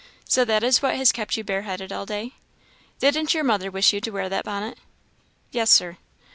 So that is what has kept you bareheaded all day? Didn't your mother wish you to wear that bonnet?" "Yes, Sir."